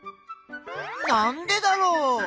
なんでだろう？